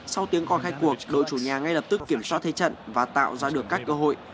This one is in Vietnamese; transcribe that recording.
sau tiếng còn khai cuộc đội chủ nhà ngay lập tức kiểm soát thế trận và tạo ra được các cơ hội